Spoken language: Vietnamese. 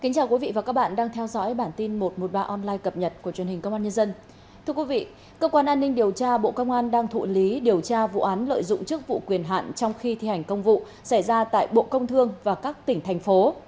thưa quý vị cơ quan an ninh điều tra bộ công an đang thụ lý điều tra vụ án lợi dụng chức vụ quyền hạn trong khi thi hành công vụ xảy ra tại bộ công thương và các tỉnh thành phố